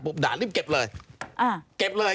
ปุ๊บด่ารีบเก็บเลย